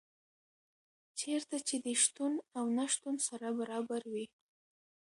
چېرته چي دي شتون او نه شتون سره برابر وي